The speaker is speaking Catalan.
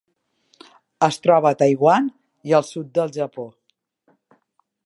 Es troba a Taiwan i el sud del Japó.